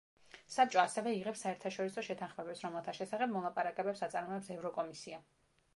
საბჭო ასევე იღებს საერთაშორისო შეთანხმებებს, რომელთა შესახებ მოლაპარაკებებს აწარმოებს ევროკომისია.